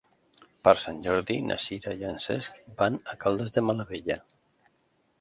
Per Sant Jordi na Sira i en Cesc van a Caldes de Malavella.